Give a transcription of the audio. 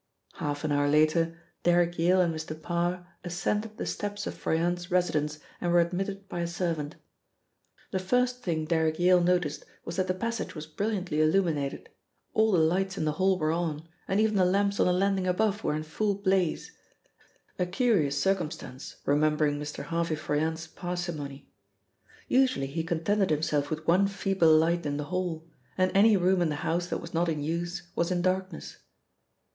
Half an hour later, Derrick Yale and Mr. Parr ascended the steps of Froyant's residence and were admitted by a servant. The first thing Derrick Yale noticed was that the passage was brilliantly illuminated; all the lights in the hall were on, and even the lamps on the landing above were in full blaze, a curious circumstance, remembering Mr. Harvey Froyant's parsimony. Usually he contented himself with one feeble light in the hall, and any room in the house that was not in use was in darkness.